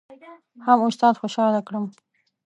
هم استاد خوشحاله کړم.